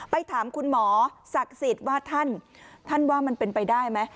ไปถามคุณหมอศักดิ์สิทธิ์ว่าท่านท่านว่ามันเป็นไปได้ไหม